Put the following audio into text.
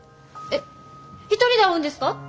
えっ一人で会うんですか？